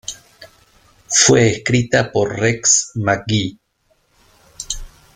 Fue escrita por Rex McGee.